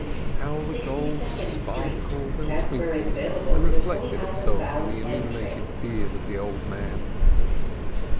How the gold sparkled and twinkled and reflected itself in the illumi nated beard of the old man